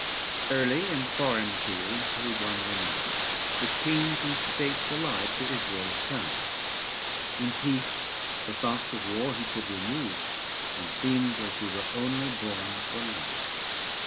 Early in foreign fields he won renown With kings and states allied to Israel's crown; In peace the thoughts of war he could remove 25 And seemed as he were only born for love.